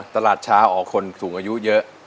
ตลาดเช้าอ๋อคนสูงอายุเยอะ